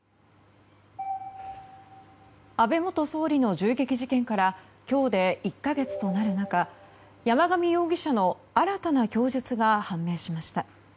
安倍元総理の銃撃事件から今日で１か月となる中山上容疑者の新たな供述が判明しました。